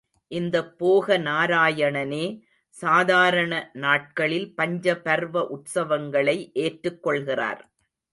இந்த போக நாராயணனே, சாதாரண நாட்களில் பஞ்ச பர்வ உற்சவங்களை ஏற்றுக் கொள்கிறார்.